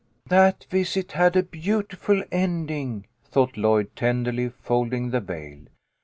"That visit had a beautiful ending," thought Lloyd, tenderly folding the veil.